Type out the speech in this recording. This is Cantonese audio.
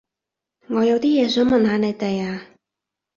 我有啲嘢想問下你哋啊